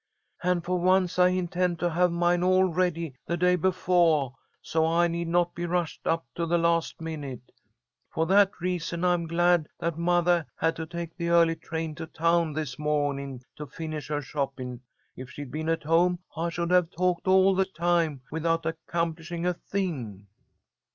"And for once I intend to have mine all ready the day befoah, so I need not be rushed up to the last minute. For that reason I am glad that mothah had to take the early train to town this mawning, to finish her shopping. If she'd been at home, I should have talked all the time, without accomplishing a thing."